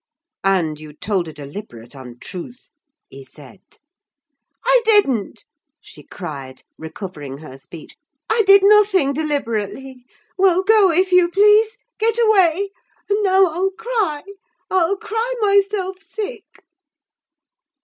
"And you told a deliberate untruth!" he said. "I didn't!" she cried, recovering her speech; "I did nothing deliberately. Well, go, if you please—get away! And now I'll cry—I'll cry myself sick!"